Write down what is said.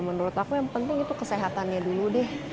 menurut aku yang penting itu kesehatannya dulu deh